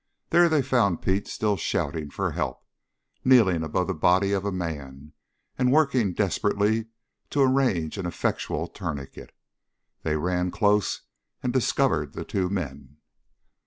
There they found Pete still shouting for help, kneeling above the body of a man, and working desperately to arrange an effectual tourniquet. They ran close and discovered the two men.